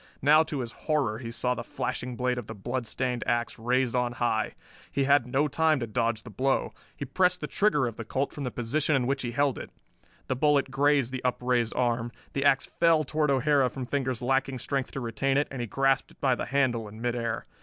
Now to his horror he saw the flashing blade of the bloodstained ax raised on high. He had no time to dodge the blow. He pressed the trigger of the Colt from the position in which he held it. The bullet grazed the upraised arm. The ax fell toward O'Hara from fingers lacking strength to retain it, and he grasped it by the handle in midair.